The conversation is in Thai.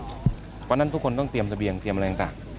เพราะฉะนั้นทุกคนต้องเตรียมเสบียงเตรียมอะไรต่าง